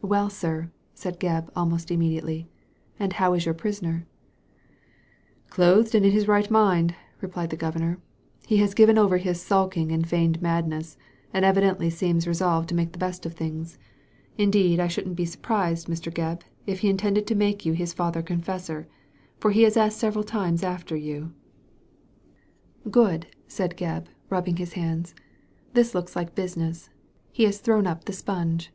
"Well, sir," said Gebb, almost immediately, ''and how is your prisoner ?" "Clothed and in his right mindl" replied the Governor. "He has given over his sulking and feigned madness, and evidently seems resolved to make the best of things. Indeed, I shouldn't be Digitized by Google 236 THE LADY FROM NOWHERE surprised, Mr. Gebb, if he intended to make you his father confessor, for he has asked several times after you." " Good I " said Gebb, rubbing his hands. "This looks like business ; he has thrown up the sponge.